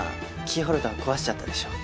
キーホルダー壊しちゃったでしょ。